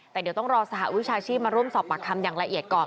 แต่เดี๋ยวต้องรอสหวิชาชีพมาร่วมสอบปากคำอย่างละเอียดก่อน